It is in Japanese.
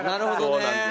そうなんです。